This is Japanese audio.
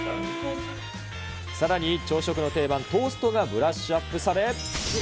さらに朝食の定番、トーストブラッシュアップ。